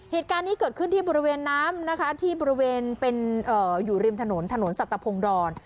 เหตุการณ์นี้เกิดขึ้นที่บริเวณน้ำนะคะที่บริเวณเป็นอยู่ริมถนนถนนสัตวพงดร